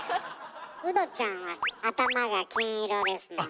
ウドちゃんは頭が金色ですもんね。